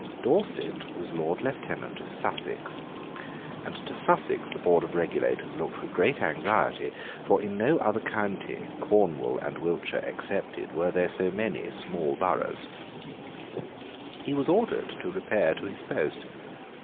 Dorset was Lord Lieutenant of Sussex: and to Sussex the board of regulators looked with great anxiety: for in no other county, Cornwall and Wiltshire excepted, were there so many small boroughs. He was ordered to repair to his post.